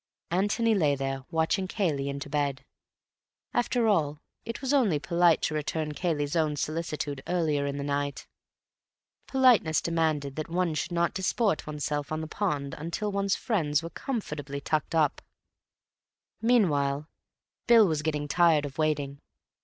Antony lay there, watching Cayley into bed. After all it was only polite to return Cayley's own solicitude earlier in the night. Politeness demanded that one should not disport oneself on the pond until one's friends were comfortably tucked up. Meanwhile Bill was getting tired of waiting.